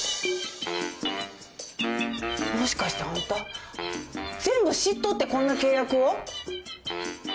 もしかしてあんた全部知っとってこんな契約を？